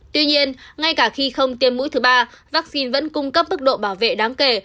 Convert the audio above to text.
tuy nhiên ngay cả khi không tiêm mũi thứ ba vaccine vẫn cung cấp mức độ bảo vệ đáng kể